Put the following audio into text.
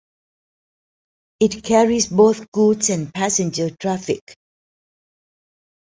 It carries both goods and passenger traffic.